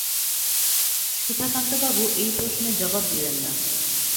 সুধাকান্তবাবু এই প্রশ্নের জবাব দিলেন না।